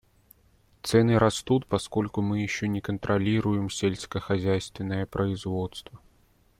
Цены растут, поскольку мы еще не контролируем сельскохозяйственное производство.